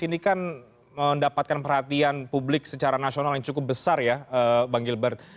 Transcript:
ini kan mendapatkan perhatian publik secara nasional yang cukup besar ya bang gilbert